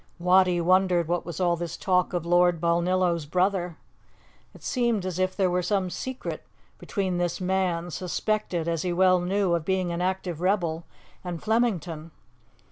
Wattie wondered what was all this talk of Lord Balnillo's brother. It seemed as if there were some secret between this man, suspected, as he well knew, of being an active rebel, and Flemington.